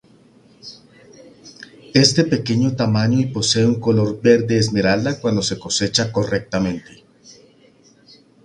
Es de pequeño tamaño y posee un color verde esmeralda cuando se cosecha correctamente.